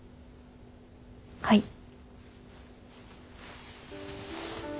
はい。